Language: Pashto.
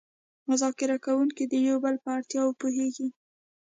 مذاکره کوونکي د یو بل په اړتیاوو پوهیږي